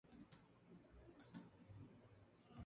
Kenia tiene una embajada en Madrid.